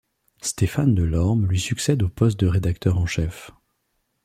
Stéphane Delorme lui succède au poste de rédacteur en chef.